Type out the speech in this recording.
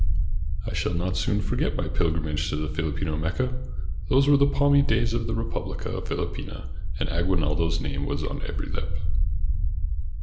I shall not soon forget my pilgrimage to the Filipino 536 A VISIT TO AGUINALDO Mecca. Those were the palmy days of the Republica Filipina, and Aguinaldo's name was on every lip.